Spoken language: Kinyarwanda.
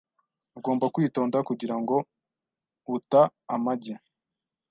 Ugomba kwitonda kugirango uta amagi.